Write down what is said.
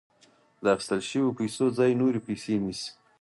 د اخیستل شویو پیسو ځای نورې پیسې نیسي